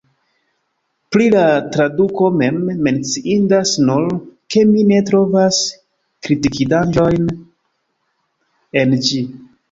Pri la traduko mem, menciindas nur, ke mi ne trovas kritikindaĵojn en ĝi.